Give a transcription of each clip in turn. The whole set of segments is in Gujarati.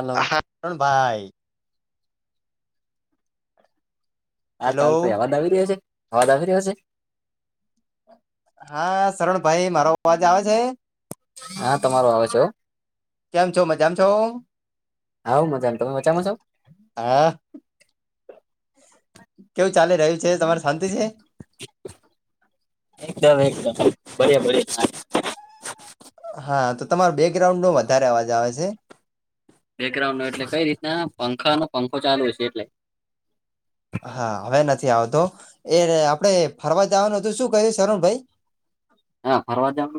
હલો હા, ભાઈ. આ હેલો તાલ તોાઈ અવાજ આવી રહ્યો છે, અવાજ આવી રહ્યો છે. હા, સરણ ભાઈ મારો અવાજ આવે છે? હા, તમારો આવે છે. કેમ છો? મજા માં છો? હા, હું તો મજામાં. તમે મજામાં છો? ઓફ [unintelligible] કેવું ચાલી રહ્યું છે? તમારે શાંતિ છે? એકદમ, એકદમ. ભલે, ભલે. સારું. હા, તો તમારો બેકગ્રાઉન્ડ નો વધારે અવાજ આવે છે. બેકગ્રઉન્ડ નો એટલે કંઈ રીતના પંખાો પંખો ચાલુ છે એટલે. હા, હવે નથી આવતો. એ, આપડે ફરવા જવાનું હતું. શું કહ્યું, શરણ ભાઈ? હા ફરવા જાવ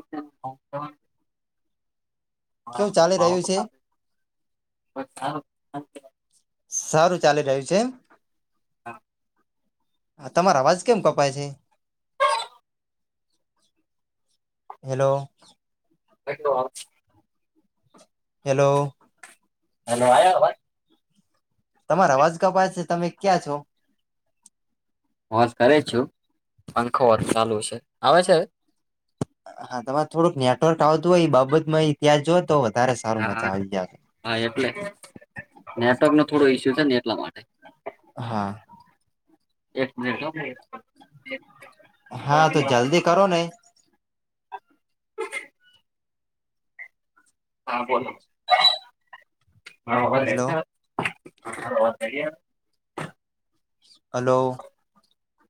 કેવું ચાલી રહ્યું છે. સારું ચાલી રહ્યું છે. હા [inaudible] હ તમારો અવાજ કેમ કપાય છે. હેલો ધ્યવાદ [inaudible] હલો હલો આ [unintelligible] તમારે અવાજ કપાય છે તમે ક્યાં છો વશ કર છું પંખો ચાલુ છે આવે છે. હા તમારે થોડુંક નેટવર્ક આવતું હોય બાબત હા માં હા એટલે નેટવર્ક નો થોડો ઈસ્યુ છે ને એટલા માટે હા એક મિટ હા તો જલ્દી કરો ને હા બોલો મારોત રહે હેલો છે વાત કરી [unintelligible] હલો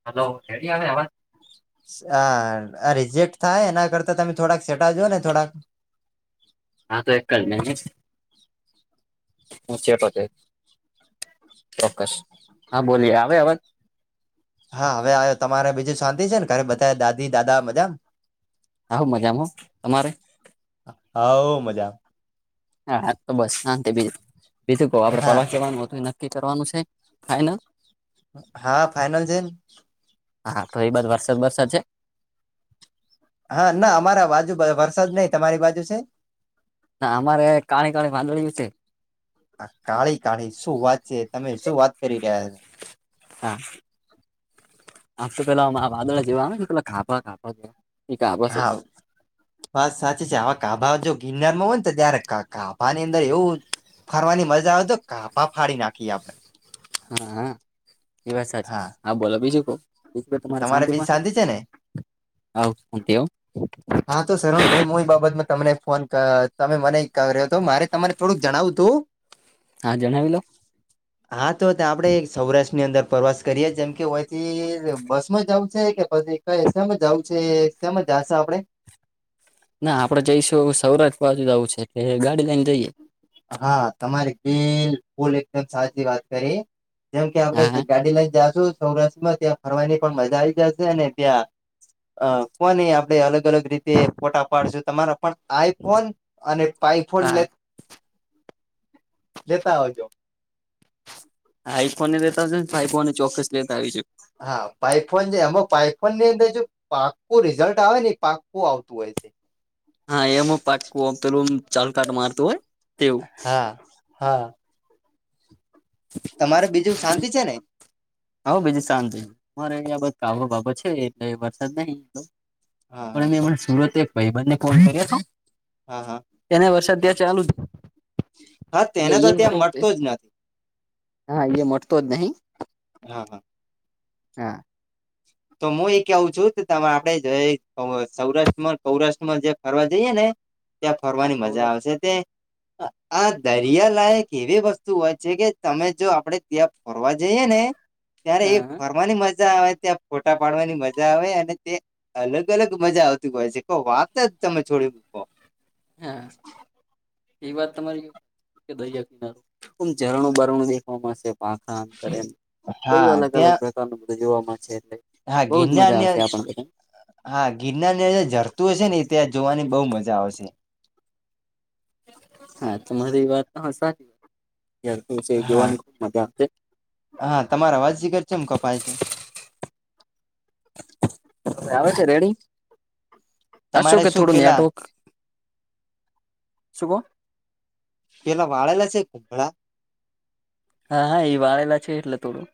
હલો હ હ હ આ રિજેક્ટ થાય એના કરતા તમે થોડાક સેટાજો ને થોડાક હા તો એક ક ન હું છે તોતે ચોક્કસ હા બોલીએ આવે હવાજ હા હવે આવ્યો તમારે બીજું શાંતિ છે ને ઘરે બધા દાદી દાદા મજા આવું મજામાં તમારે હ મજા હા તો બસ શાંત બીજું ક આપડે હા પરવા કવાનુંું નક્કી કરવાનું છે થાય. હા ફાઈનલ છેન હા તો એ બધ વરસાદ વરસાદ છે. હા ના અમારા બાજુ વરસાદ નહી તમારી બાજુ છે. ના અમારે કાણી કાળ વામાંદડી વિ છે. કાળી કાળી શું વાત છે તમે શું વાત કરી રહ્યા હા આમ તો પેલા વાદોળ જેવા આવે પેલા ખાપા ખાપાવા [inaudible] હા બસ સાચી છે આવા કાભા જો ગિરનારમાં હોય ને તો ત્યારે કાભાની અંદર એવું [unintelligible] ફરવાની મજા આવે તો કાપા ફાડી નાખીએ આપડણે [unintelligible] હા હા એ વાત સાચી હા હ બોલો બીજું ક તમારે શાંતિ બીજ પાસે છે ને [unintelligible] હ શતીવ [unintelligible] હા તો સરરૂણ ભાઈ હ એ બાબતમાં તમને ફોન તમે મને કર્યો હતો મારે તમારે થોડુંક જણાવું તું હા જણાવી લો હા તો આપડે સૌરાષ્ટ્ર ની અંદર પ્રવાસ કરીએ જેમ કે હોથી બસ માં જ આવ છે કે પછી [unintelligible] એમ જું છે એમ જ જાશ આપડે [inaudible] ના આપડે જઈશું સૌરાષ્ટ્ર પાસેુ જવું છે એટલે ગાડી લઈને જઈએ [unintelligible] હા તમારી બિલ ફૂલ એકદમ સાચી વાત કરી જેમ કે હા આપડણે હા ગાડી લઈને જશું સૌરાષ્ટ્રમાં ત્યાં ફરવાની પણ મજા આવી જશે અને ત્યાં [unintelligible] અ ફોન એ આપણે અલગ અલગ અને પાઇફોન હા લે લેતા હોજો [unintelligible] હ આઈ ફોનને લેતા આવશે ને આઈ ફો ને ચોક્કસ લેતા આવી છે. હા પઇફોન જે એમ પઇફોન ની અંદરજું પાકકો રિઝલ્ટ આવે ને પાકકો આવતું હોય છે. હા એમ પાક્ક પેલું ચાલ કાટ મારતું હોય તેવું હા હા તમારે બીજું શાંતિ છે ને હા બીજું શાંત થઈ મારે અયા બધ કાબો બાાબો છે એટલે વરસાદ નહી હા હા પણ મેં એમ સુરત એક ભાઈ બંને ફોન કર્યો હતો હા હા એને વરસાદ ત્યાં ચાલુ જ હા તેને તો ત્યાં એ મળટતો જ નથી હા એ મટતો જ નહીં હા હા હા તો હું એ કું છું કે તમારે આપડે સૌરાષ્ટ્રમાં સૌરાષ્ટ્રમાં જે ફરવા જઈએ ને ત્યાં હા ફરવાની મજા સૌરાષ્ટ્ર આવશે તે આ દરિયાલાાયક એવી વસ્તુ હોય છે કે તમે જો આપણે ત્યાં ફરવા જઈએ ને ત્યારે એ હા ફરવાની મજા આવે ત્યાં ફોટા પાડવાની મજા આવે અને તે અલગ અલગ મજા આવતી હોય છે કો વાત જ તમે છોડી મૂકો હા [inaudible] એ વાત તમારી કે દરિયા કિનારો આમ રણું બારણું દેખવાવામાં છે પાખા અર એમ હા બધું અલગ અલગ ત્યાં પ્રકાર ન બધું જોવા મળે એટ હા બઉુ જ મજા ગિરનારને આવશે આપણધ હા ગિરનાર જરતું હશે ને ત્યાં જોવાની બહુ મજા આવશે હા તો મરી એ વાત સારી ત હા જીવાની ખબ મજા આવશે હા તમારા અવાજજીગર છે એમ કપાય છે વે આવે છે રેડી હશો તમારે કે શું થોડું પેલા નેટવર્ક શુંગહ પેલા વાળલા છે ખળ હા હા એ વાળેલા છે એટલે થોડું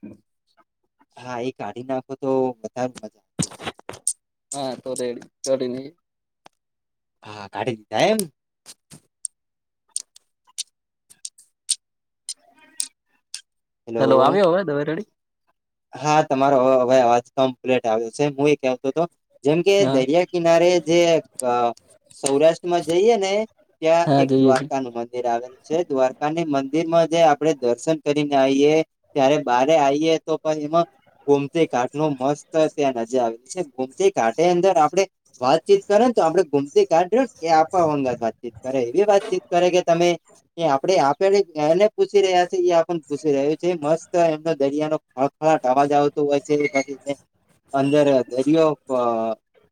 હા એ કાઢી નાખો તો વધારે મજા આવશે હા તોરે એડી કઢ ન હા કાઢી દીધ એમ હેલો આવ્યોવે દવે રડી હા તમારો હવે અવાજ કમ્પ્લીટ આવ્યો છે હું એ કતો હતો જેમકે હા દરિયા કિનારે જે સૌરાષ્ટ્ર માં જઈએ ને ત્યાં હા એક જઈએ જઈએ દ્વારકા નું મંદિર આવેલ દ્વારકાની મંદિર માં જ આપડણે દર્શન કરીને આવીઈએ ત્યારે બારે આવીઈએ તો પણ એમાં ગોમતી ઘાટ નો મસ્ત ત્યાં નજર આવેલી છે ગોમતી ઘાટની અંદર આપણે વાતચીત કરે ને તો આપડે ગુમતી કાઢ ને એ આપવા વંગ વાતચીત કરે એવી વાતચીત કરે કે તમે એ આપડે આપે એને પૂછી રહ્યા છે એ આપને પૂછી રહ્યું છે મસ્ત એમનો દરિયાનો હ ખળવા જાવું તોું હોય છેછ અંદર દરયો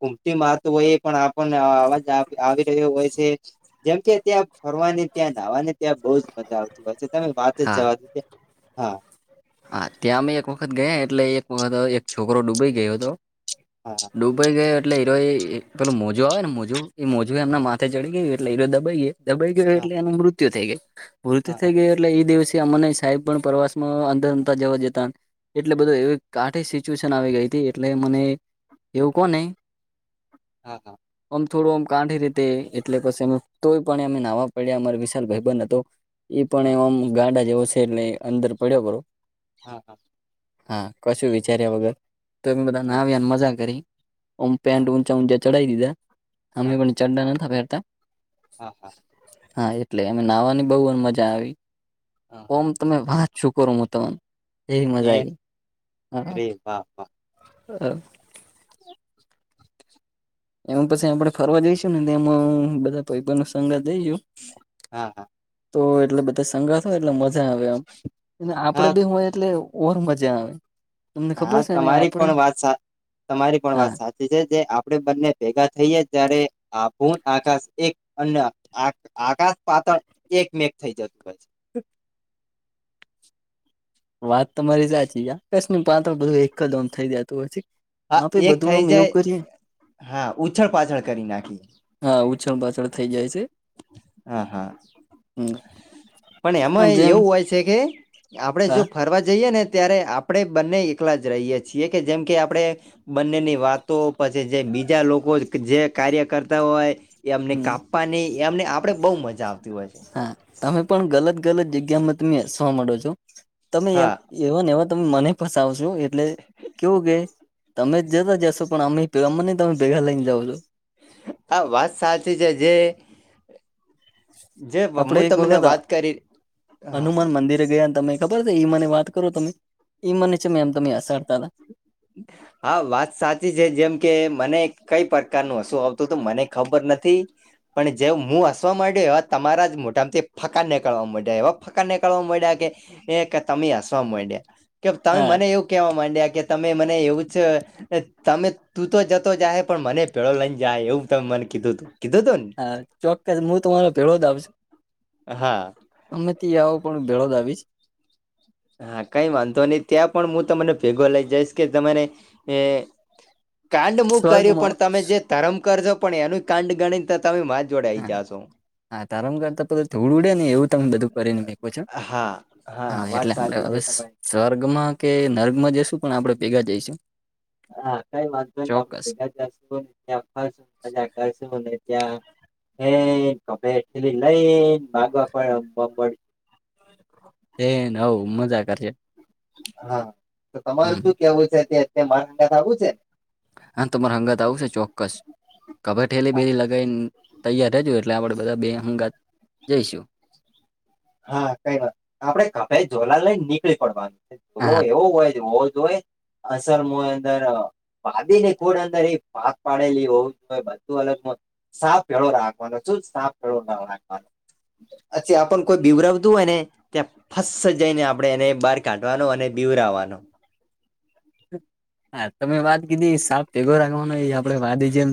ઉમટી મારતું હોય પણ આપણને અવાજ આવી રહ્યો હોય છે જેમ કે ત્યાં ફરવાને, ત્યાં નહાવાને, ત્યાં બહુ જ મજા આવે. પ તમે વાત જ હા જવાદ હા. હા ત્યાં અમે એક વખત ગયા એટલે એક વખત એક છોકરો ડૂબઈ ગયો હતો. અચ્છા. ડૂબાઈ ગયો એટલેઈરો એ પેલું મોજું આવે ને મોજું એ મોજું એમના માથે ચડી ગયું એટલે ઈરો દબાઈ ગયો. દબાઈ ગયો હા એટલે એનું મૃત્યુ થઈ ગયુ. મૃત્યુ હા થઈ ગ એટલે એ દિવસે અમને સાહેબ પણ પ્રવાસમાં. જવા જતા એટલે બધું એ કાઠી સિચ્યુએશન આવી ગઈ હતી એટલે મને એવુંકોની હા. હા. આમ થોડુંમ કાંઠી રીતે એટલે પસી તો પણ અમે નાવા પડ્યા. અમા વિશાલ ભાઈબન હતો. એ પણ હા એમ ગાંડા જેવ છે. એટલે અંદર પડ્યો પરો. હા હા હા કશું વિચાર્યા વગર તો બધા ના હા હા આવ્યા અને મજા કરી ઓમ પેન્ટ હા ઊંચા ઊંચ ચઢાવ દીધા. અમે પણ ચડડા ના પહેરતા હા હા હા એટલે એમ નાવાની બહ મજા આવી હા ઓમ હા તમે વાત છું કરો એવી મજા એ રે વાહ વાહ આવી [unintelligible] [inaudible] એમાં પછી આપણે ફરવા જઈશું નેમાં હ બધા ન સંગા જઈશું. હા હા તો એટલે બધા સંગથ હોય એટલે મજા આવે આમ આપડે હા બી હોય એટલે ઓર મજા આવે. તમને હા ખબર છે ને તમારી આપડે પણ વાત સા તમારી પણ હા વાત સાચ આપણે બંને ભેગા થઈે ત્યારે આ આકાશ એક અ આકાશ પાતળ એકમેક થઈ જતું હોય છે. [inaudible] વાત તો મારી સાચી યાકાસ પાતળ ત્રણ બધું એક જમ થઈ જયાતું પછી હા એક થઈ જાય. હા ઉછળ પાછળ કરી નાખીએ. હા ઉછણ પાછળ થઈ જાય છે. હા હા હમ પણ એમાં જેમ એવું હોય છે કે આપણે જો હા ફરવા જઈએ ને ત્યારે આપણે બંને એકલા જ રહીએ છીએ કે જેમ કે આપડણે બંનેની વાતો પછી જે બીજા લોકો જે કાર્ય કરતા હોય. એમને હમ કાપવાની એમને આપડે બહઉ મજા આવતી હોય છે. હા તમે પણ ગલત ગલત જગ્યામાં તમેસવા માંડો છો તમે એમ. હા એવ ને એવ તમે મને પસાવશો એટલે કેવું કે તમે જતા જશો પણ અમેેમાં નહી તમે ભેગા લઈઇને જાવ છો. આ વાત સાચી છે જે જે આપડે હું એક તમને વખત વાત કરી હા હનુમાન હા મંદિરે ગયા તમે ખબર છે ઈ મને વાત કરો તમે ઈ મને છે મે એમ તમે અસડતા હતા. [inaudible] હા વાત સાચી છે જેમ કે મને કઈ પ્રકાર ન હશું આવતું હત મને ખબર નથી. પણ જે હું હસવા માંડ્યો એ તમારા જ મોટામાંથી ફકા નીકળવા માંડ્યા એવા ફકા નીકળવા માંડયા કે એ તમે હસવા માંડ્યા કે તમે હા મને એવું કેવા માંડ્યા કે તમે મને એવું જ એ તમે તું તો જતો જાય પણ મને પેળો લઈ જાય એવું તમે મને કીધું તું કીધું હતું ન હા ચોક્કસ હું તમારો ભેળો જ આવશ ને હા અમે ત આવો પણ ભળદ આવીશ. હા કઈ વાંધો નહી ત્યાં પણ હું તમને ભેગો લઇ જઈશ કે કાંડ મુ કર્યું સ્વર્ગમાં પણ તમે જે ધર્મ કરજો પણ એનું કાંડ ગણીતા તમે. જોડે આઈ હા જાશો. હા તારમગર તો પું થોડું ઉડે ને એવું તમે બધું કરીને મકકો છો. હા હા વાત એટલે સા આપડે હવે સ્વર્ગમાં કે નર્ગમાં જશું પણ આપડણે ભેગા જઈશું હા કઈ વાંધો ન આપડે ચોક્કસ ભેગા જું હોયને ફ સુંદર જગશે ત્યા હ કભેલી લઈ ગવા પણ એન હવ મજા કરશે હા તો તમારું હમ શું કેવું છે અં મા થ આવું છે હા તમારે અંગત આવશે ચોક્કસ કભર ઠેલી બેેલી લગાવને તૈયાર હજું એટલે આપણે બધા બે હંગાત જઈશું હા કઈ વાત આપડે કભાઈ ઝોલા લઈને નીકળી પડવાનું છે ોલો હા એવું હોય હો જ હોય અસલમાં અંદર ભભી ને ખોડ અંદર એ પાક પાડેલી હોવ બધું અલગ સાફ ભેળો રાખવાનો છું સાફો રાખવાનો પછી આપ કોઈ બીવરવતું હોય ને ત્યાં ફસ જઈને આપણે એને બહાર કાઢવાનું અને બીવરાવાનો હા તમે વાત કીધી સાપ ટેગો રાખવાનો એ આપડે વા જે એમ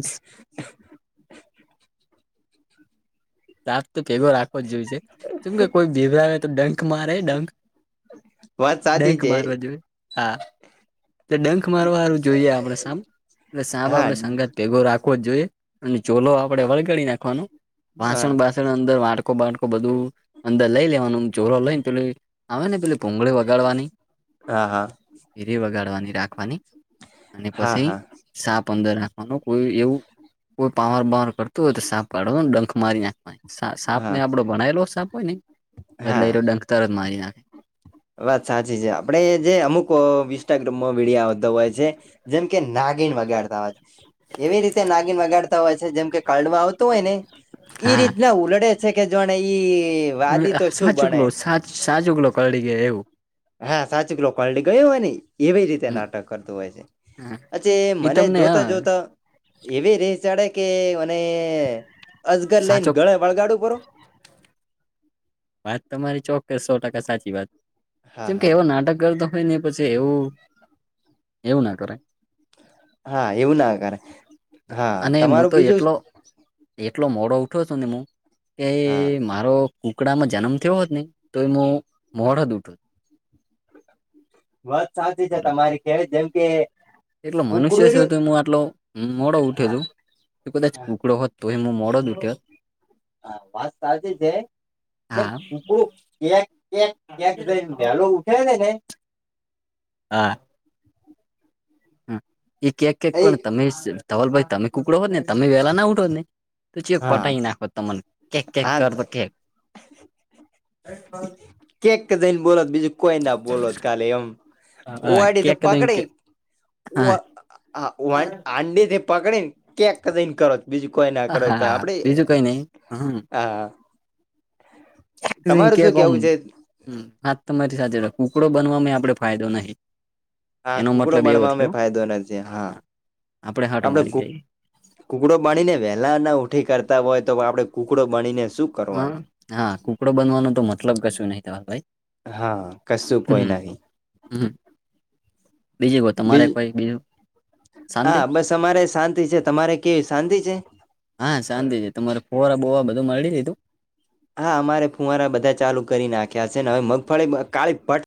રાત તો ભેગો રાખવો જ જોય છે કેમ કે કોઈ ભીભરાવે તો ડંક મારે ડંક વાત સાચી ડેંક છે મારવા જોએ હા તો ડંખ મારવાારું જોઈએ આપડે સાપ એલે સાપ હા આપડે સંગત ભેગો રાખવો જ જોઈએ અને ચોલો આપડણે વળગાડી નાખવાનો હા વાસણ બાસણ અંદર વાટકો બાટકો બધું અંદર લઈ લેવાનું ચરો લઈને તો લ આવે ને પેલી પોંગળી વગાડવાની હા હા એીરી વગાડવાની રાખવાની અને હા પછી હા સાપ અંદર રાખવાનું કોઈ એવું કોઈ પાવર બાવર કરતું હોય તો સાપ કાઢવાનું ડંખ મારી નાખ સાપ ને હા આપડો ભણલો સાપ હોય ને એટલે એ હા ડંતર જ મારી નાખે વાત સાચી છે આપડે જે અમુક વિસ્ટાગ્રામમાં વિીડયો આવતો હોય છે જેમ કે નાગીણ વગાડતા હોય એવી રીતે નાગીણ વગાડતા હોય છે જેમકે કડવા તો હોય ને એ હા રીતના ઉલડે છે કે જોને ઈ વાદી તો શું બને સાચુંગલો સાચ સાચુકલો કરીડી ગ એવું હા સાચું ક લો કલટી ગયો હો ની એવી રીતે નાટક કરતું હોય છે હ પ્છી એ મને તમને હ જોતા જોતા એવી રે ચડે કે મ અસગર લઈને સાચો ગ વળગાડું પરરો વાત તમારી ચોક્કસ સો ટકા સાચી વાત હા જેમ કે હા એવો નાટક કરતોો ઈ પછી એવું એવું ના કરે હા એવું ના કરે હા અને હું તમારું તો બીજું એટલો એટલો મોડો ઉઠો છ ને હું કે હા મારો કુકડામાં જન્મ થયો હોત ને તો એમાં મોડદ ઉઠ વાત સાચી છે હાલો તમારી ખેડત જેમ કે એટલો કુકડું મનુષ્ય છેવ રહ્યું તો હું આટલો મોડો ઉઠ્યો હા છું ત કદાચ કુકડો હોત તો એ હું મોો દૂઠ હા વાત ચાલતી છે એમ હા કકડું કેક કેક કકઈ વહેલો ઉઠે ને ને હા એ કેક કેક પણ એ તમે ધવલભાઈ તમે કુકડો હોત ને તમે વેલા ના ઉઠો ને ત ચ હા પટાઈ નાખો તને કેક કેક હા કરતો કે કેક જઈને બોલોત બીજું કોઈ ના બોલોત કાલે એમ હા ઉવાડી તો પકડ કેક હા આંડેથી પકડીને ક્યાંક કઈને કરો બીજું કોઈ ના કરો તો હા આપડે બીજું કઈ નઈ હા તમારું શું કેકમ કેવું છે હા તમારી સાથે કુકડો બનવામાં આપડે ફાયદો નહી હા એનો કુકડો મતલબ એવો બણવા અમે થયો ફાયદો નથી છે હા આપડે હાટ આપડ મારી ગઈ કુકડો બનીને વહેલા ના ઉઠી કરતા હોય તો આપડણે કુકડો બનીને શું હા કરવાનું હા કુકડો બનવાનો તો મતલબ કશું નહી તમા ભાઈ હા કશું કોઈ હમ નહી હમ બીજું કો તમારે કોઈ બીજું શાંતિ હા બસ અમારે શાંતિ છે તમારે કેવી શાંતિ છે હા શાંતિ છે તમારે ફોરા બોવા બધું મળી લીધું હા અમારે ફુવારા બધા ચાલુ કરી નાખ્યા છે ને હવે મગફળી કાી ભટ